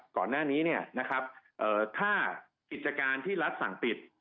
ก่อนหน้านี้ถ้ากิจการที่รัฐสั่งปิด